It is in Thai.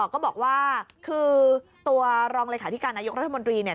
ก็บอกว่าคือตัวรองเลขาธิการนายกรัฐมนตรีเนี่ย